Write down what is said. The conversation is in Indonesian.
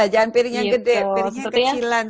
jangan piringnya gede piringnya kecilan